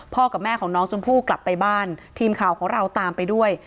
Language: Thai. กับแม่ของน้องชมพู่กลับไปบ้านทีมข่าวของเราตามไปด้วย